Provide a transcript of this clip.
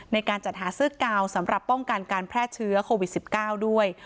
ในการจัดหาเสื้อกาวสำหรับป้องกันการแพร่เชื้อโควิด๑๙ด้วย